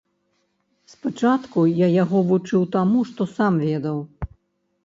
Спачатку я яго вучыў таму, што сам ведаў.